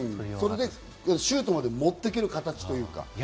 シュートまで持ってける形というか。